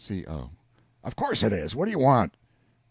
C. O. Of course it is. What do you want?